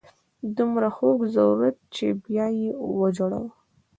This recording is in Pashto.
دومره خوږ ضرورت چې بیا یې وژاړو.